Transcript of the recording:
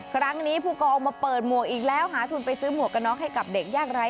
ครั้งนี้ผู้กองมาเปิดหมวกอีกแล้วหาทุนไปซื้อหมวกกระน็อกให้กับเด็กยากไร้